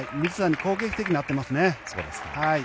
攻撃的になっていますね。